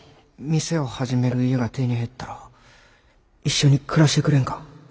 店を始める家が手に入ったら一緒に暮らしてくれんか？